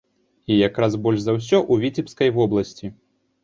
Іх як раз больш за ўсё ў віцебскай вобласці.